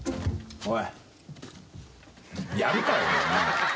おい！